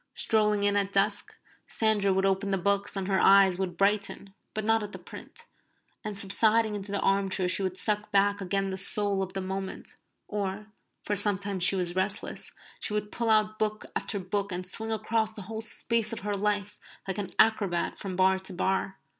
Strolling in at dusk, Sandra would open the books and her eyes would brighten (but not at the print), and subsiding into the arm chair she would suck back again the soul of the moment; or, for sometimes she was restless, would pull out book after book and swing across the whole space of her life like an acrobat from bar to bar.